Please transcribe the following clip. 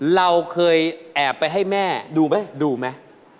เราเคยแอบไปให้แม่ดูไหมดูไหม